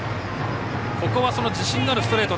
ここは自信のあるストレート。